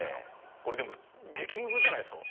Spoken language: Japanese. これ激ムズじゃないっすか？